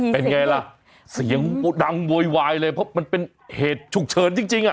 เป็นไงล่ะเสียงดังโวยวายเลยเพราะมันเป็นเหตุฉุกเฉินจริงอ่ะ